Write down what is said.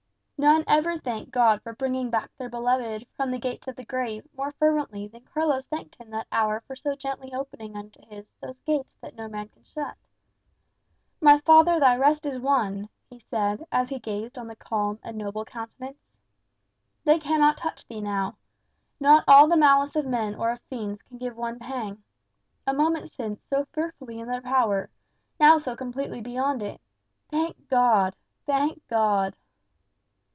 None ever thanked God for bringing back their beloved from the gates of the grave more fervently than Carlos thanked him that hour for so gently opening unto his those gates that "no man can shut." "My father, thy rest is won!" he said, as he gazed on the calm and noble countenance. "They cannot touch thee now. Not all the malice of men or of fiends can give one pang. A moment since so fearfully in their power; now so completely beyond it! Thank God! thank God!"